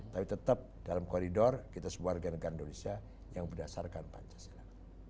tapi tetap dalam koridor kita sebuah organ gandulisnya yang berdasarkan pancasila